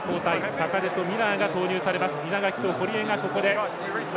坂手とミラーが投入されます。